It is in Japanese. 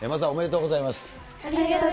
ありがとうございます。